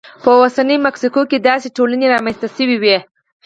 په اوسنۍ مکسیکو کې داسې ټولنې رامنځته شوې وې